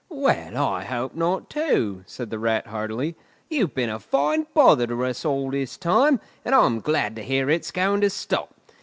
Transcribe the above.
"Well, I hope not, too," said the Rat heartily. "You've been a fine bother to us all this time, and I'm glad to hear it's going to stop.